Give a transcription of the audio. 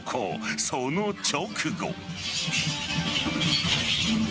その直後。